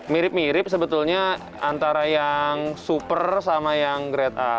mirip mirip sebetulnya antara yang super sama yang grade a